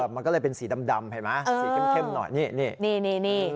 มันก็เลยเป็นสีดำเห็นไหมสีเข้มหน่อยนี่นี่